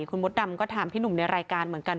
คุณมดดำก็ถามพี่หนุ่มในรายการเหมือนกัน